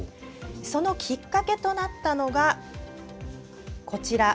そのきっかけとなったのがこちら。